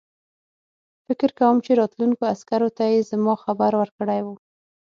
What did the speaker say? فکر کوم چې راتلونکو عسکرو ته یې زما خبر ورکړی وو.